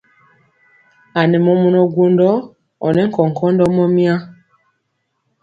A nɛ mɔmɔnɔ gwondɔ ɔ nɛ nkɔnkɔndɔ mɔmya.